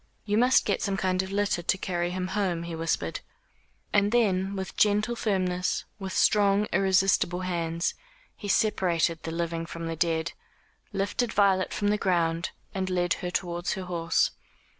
"You must get some kind of litter to carry him home," he whispered. And then with gentle firmness, with strong irresistible hands, he separated the living from the dead, lifted Violet from the ground and led her towards her horse.